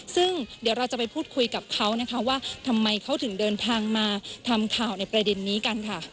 ซึ่งเดี๋ยวเราจะไปพูดคุยกับเขานะคะว่าทำไมเขาถึงเดินทางมาทำข่าวในประเด็นนี้กันค่ะ